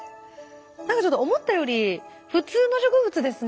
何かちょっと思ったより普通の植物ですね。